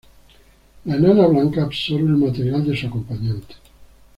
La enana blanca absorbe el material de su acompañante.